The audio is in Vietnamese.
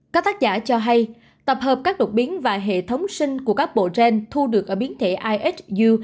các tác giả cho hay tập hợp các đột biến và hệ thống sinh của các bộ gen thu được ở biến thể isu